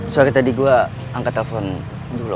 sorry tadi gua angkat telepon dulu